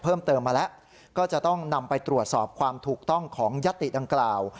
เพิ่มเติมมาแล้วก็จะต้องนำไปตรวจสอบความถูกต้องของยัตติดังกล่าว